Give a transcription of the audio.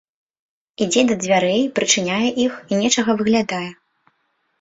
Ідзе да дзвярэй, прачыняе іх і нечага выглядае.